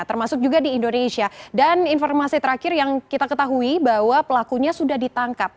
termasuk juga di indonesia dan informasi terakhir yang kita ketahui bahwa pelakunya sudah ditangkap